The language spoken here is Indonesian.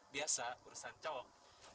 biasa urusan cowok